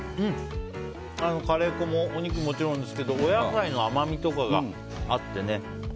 カレー粉もお肉ももちろんですけどお野菜の甘みとかがあってね。